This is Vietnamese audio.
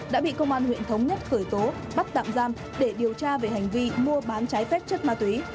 đã bị công an huyện thống nhất khởi tố bắt tạm giam để điều tra về hành vi mua bán trái phép chất ma túy